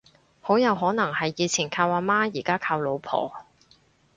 好有可能係以前靠阿媽而家靠老婆